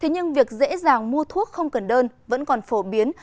nhưng việc dễ dàng mua thuốc không cần đơn vẫn còn phổ biến